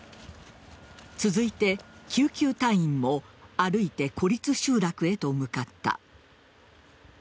続いて救急隊員も歩いて孤立集落へと向かった。